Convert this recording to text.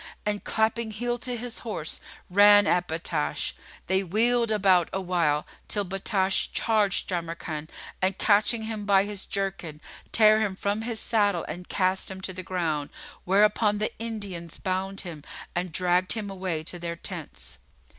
and clapping heel to his horse, ran at Battash. They wheeled about awhile, till Battash charged Jamrkan and catching him by his jerkin[FN#51] tare him from his saddle and cast him to the ground; whereupon the Indians bound him and dragged him away to their tents.